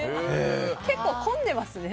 結構混んでますね。